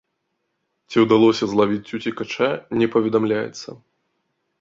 Ці ўдалося злавіць уцекача, не паведамляецца.